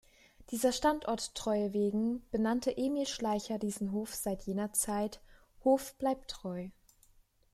Dieser Standorttreue wegen benannte Emil Schleicher diesen Hof seit jener Zeit „Hof Bleibtreu“.